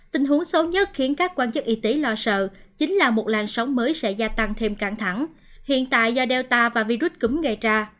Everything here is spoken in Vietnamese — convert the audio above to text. tình huống xấu nhất khiến các quan chức y tế lo sợ chính là một làn sóng mới sẽ gia tăng thêm căng thẳng hiện tại do data và virus cúm gây ra